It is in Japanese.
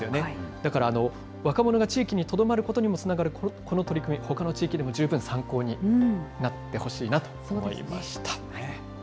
だから、若者が地域にとどまることにもつながるこの取り組み、ほかの地域でも十分参考になってほしいなと思いました。